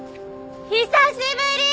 久しぶり！